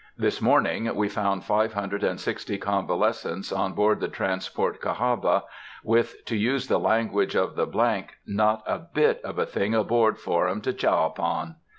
This morning we found five hundred and sixty convalescents on board the transport Cahawba, with, to use the language of the ——, "not a bit of a thing aboard for 'em to chaw upon."